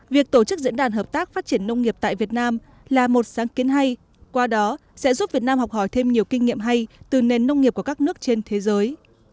việc tổ chức diễn đàn hợp tác phát triển nông nghiệp tại việt nam là một sáng kiến hay qua đó sẽ giúp việt nam học hỏi thêm nhiều kinh nghiệm hay từ nền nông nghiệp của các nước trên thế giới